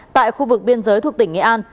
tại khu vực biên giới thuộc tỉnh nghệ an